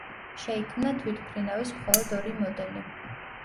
შეიქმნა თვითმფრინავის მხოლოდ ორი მოდელი.